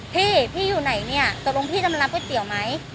พี่พี่อยู่ไหนเนี่ยตกลงพี่จะมารับก๋วยเตี๋ยวไหม